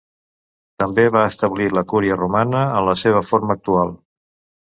També va establir la Cúria Romana en la seva forma actual.